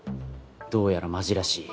どうやらマジらしい。